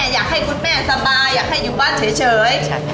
อยากให้คุณแม่สบายอยากให้อยู่บ้านเฉย